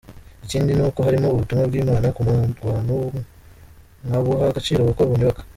Ikindi ni uko harimo ubutumwa bw’Imana ku bantu nkabuha agaciro kuko bunyubaka”.